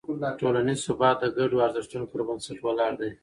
ټولنیز ثبات د ګډو ارزښتونو پر بنسټ ولاړ دی.